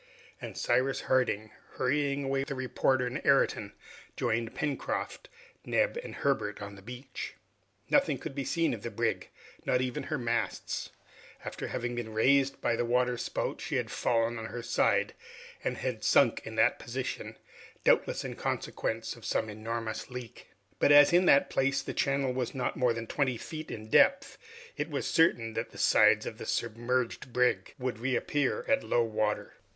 And Cyrus Harding, hurrying away the reporter and Ayrton, joined Pencroft, Neb, and Herbert on the beach. Nothing could be seen of the brig, not even her masts. After having been raised by the water spout, she had fallen on her side, and had sunk in that position, doubtless in consequence of some enormous leak. But as in that place the channel was not more than twenty feet in depth, it was certain that the sides of the submerged brig would reappear at low water.